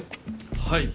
はい。